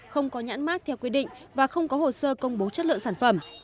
không có nhãn mát theo quy định và không có hồ sơ công bố chất lượng sản phẩm